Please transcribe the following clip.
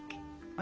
あ